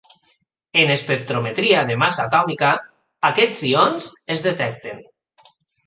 En espectrometria de massa atòmica, aquests ions es detecten.